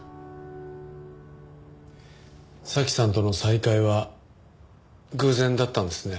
早紀さんとの再会は偶然だったんですね。